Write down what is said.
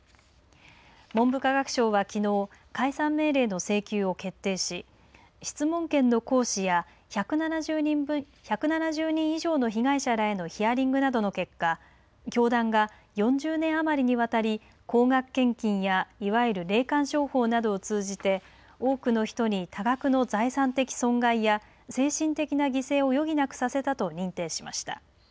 文部科学省はきのう解散命令の事由を決定し質問権の行使や１７０人以上の被害者らへのヒアリングなどの結果教団が４０年に余りにわたり高額献金やいわゆる霊感商法などを通じて多くの人に多額の財産的損害や精神的な犠牲を余儀なくさせたと認定しました。